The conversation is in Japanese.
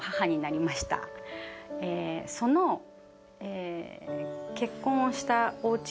「その結婚をしたおうち。